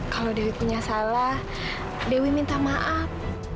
kalau dewi punya salah dewi minta maaf